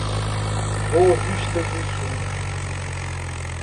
Boa Vista do Sul